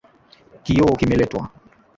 Kioo kimeletwa.